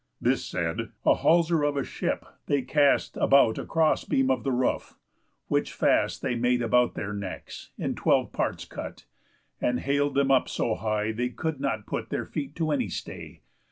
This said, a halser of a ship they cast About a cross beam of the roof, which fast They made about their necks, in twelve parts cut, And hal'd them up so high they could not put Their feet to any stay.